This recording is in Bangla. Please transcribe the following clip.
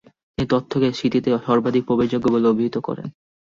তিনি তথ্যকে "স্মৃতিতে সর্বাধিক প্রবেশযোগ্য" বলে অভিহিত করেন।